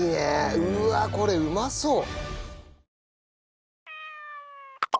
うわあこれうまそう！